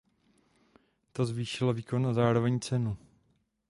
To zvýšilo výkon a zároveň cenu.